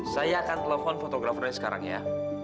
saya akan telepon fotografernya sekarang ya